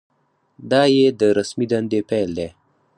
دا یې د رسمي دندې پیل دی.